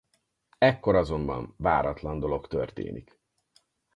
Ekkor azonban váratlan dolog történik.